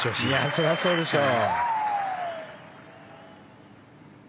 それはそうでしょう。